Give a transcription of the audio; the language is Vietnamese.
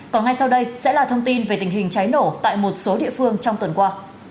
còn ngay sau đây sẽ là thông tin về tình hình cháy nổ tại một số địa phương trong tuần qua